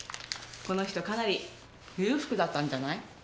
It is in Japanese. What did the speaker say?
この人かなり裕福だったんじゃない？